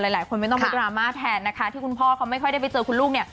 หลายคนไปดราม่าแทนนะคะที่คุณพ่อไม่ค่อยได้ไปเจอคุณลูก